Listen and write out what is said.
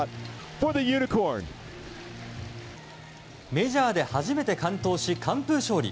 メジャーで初めて完投し完封勝利。